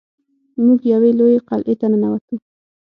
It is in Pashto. موږ یوې لویې قلعې ته ننوتو.